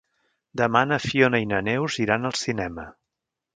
Demà na Fiona i na Neus iran al cinema.